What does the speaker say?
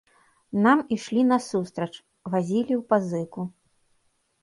Нам ішлі насустрач, вазілі ў пазыку.